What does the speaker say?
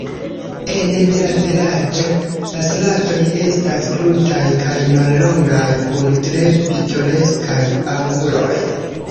Ene de la vilaĝo la stratoj estas krutaj kaj mallongaj, kun tre pitoreskaj anguloj.